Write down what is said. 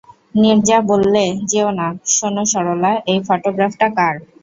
নীরজা বললে, যেয়ো না, শোনো সরলা, এই ফোটোগ্রাফটা কার।